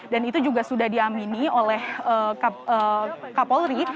dan itu juga sudah diamini oleh kapolri